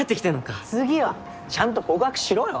次はちゃんと告白しろよ。